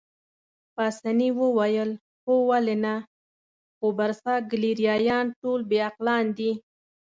پاسیني وویل: هو ولې نه، خو برساګلیریايان ټول بې عقلان دي.